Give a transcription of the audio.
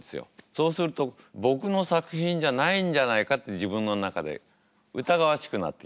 そうすると僕の作品じゃないんじゃないかって自分の中でうたがわしくなってきますね。